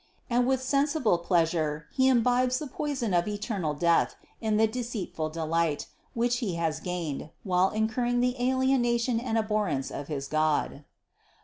And with sensible pleasure he imbibes the poison of eternal death in the deceitful delight, which he has gained, while incurring the alienation and abhorrence of his God.